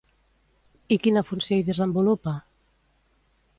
I quina funció hi desenvolupa?